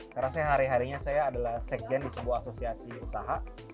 karena saya hari harinya saya adalah sekjen di sebuah asosiasi usaha